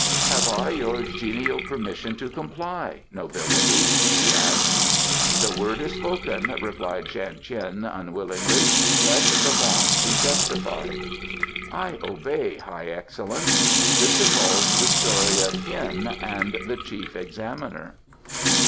"Have I your genial permission to comply, nobility?" he asked. "The word is spoken," replied Shan Tien unwillingly. "Let the vaunt be justified." "I obey, High Excellence. This involves the story of Hien and the Chief Examiner."